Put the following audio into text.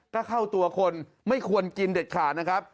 ก็เข้าตัวคนไม่ควรกินเด็ดขาดนะครับ